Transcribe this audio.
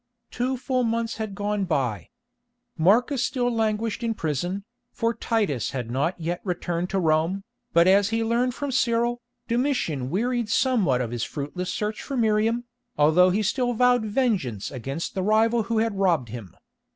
Two full months had gone by. Marcus still languished in prison, for Titus had not yet returned to Rome, but as he learned from Cyril, Domitian wearied somewhat of his fruitless search for Miriam, although he still vowed vengeance against the rival who had robbed him.